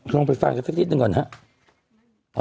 ลองไปฟังกันสักนิดหนึ่งก่อนครับ